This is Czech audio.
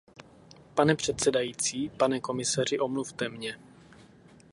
Pane předsedající, pane komisaři, omluvte mě.